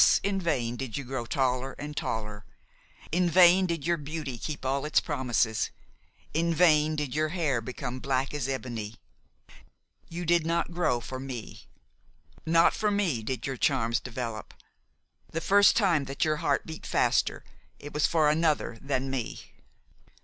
in vain did you grow taller and taller; in vain did your beauty keep all its promises; in vain did your hair become black as ebony. You did not grow for me; not for me did your charms develop. The first time that your heart beat faster it was for another than me.